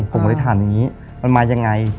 ผมก็เลยถามอย่างนี้มันมายังไง